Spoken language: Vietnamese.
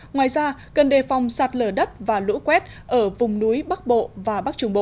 ngoài ra cần đề phòng sạt lở đất và lũ quét ở vùng núi bắc bộ và bắc trung bộ